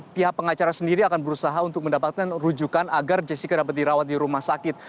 pihak pengacara sendiri akan berusaha untuk mendapatkan rujukan agar jessica dapat dirawat di rumah sakit